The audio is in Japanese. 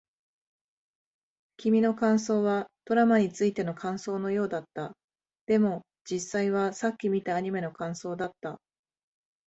君の感想はドラマについての感想のようだった。でも、実際はさっき見たアニメの感想だった。